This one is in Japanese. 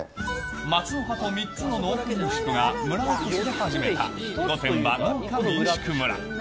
松の葉と３つの農家民宿が村おこしで始めた御殿場農家民宿村。